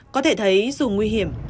có thể thấy dù nguy hiểm